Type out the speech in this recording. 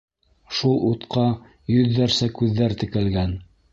Шул утҡа йөҙҙәрсә күҙҙәр текәлгән.